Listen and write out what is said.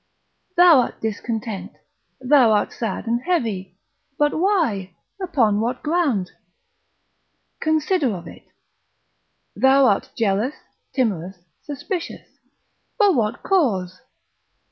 Thou art discontent, thou art sad and heavy; but why? upon what ground? consider of it: thou art jealous, timorous, suspicious; for what cause?